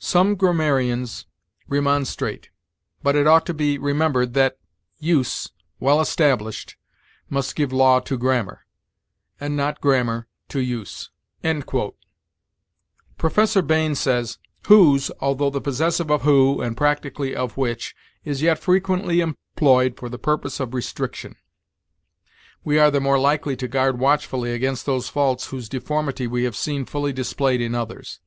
Some grammarians remonstrate; but it ought to be remembered that use, well established, must give law to grammar, and not grammar to use." Professor Bain says: "Whose, although the possessive of who, and practically of which, is yet frequently employed for the purpose of restriction: 'We are the more likely to guard watchfully against those faults whose deformity we have seen fully displayed in others.'